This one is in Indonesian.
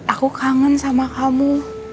aku kangen sama kamu